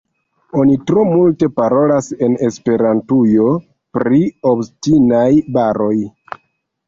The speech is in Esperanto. Oni tro multe parolas en Esperantujo pri “obstinaj baroj”.